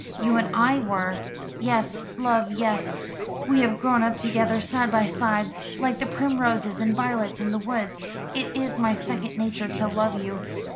You and I were. Yes, love, yes: we have grown up together side by side, like the primroses and violets in the woods. It is my second nature to love you.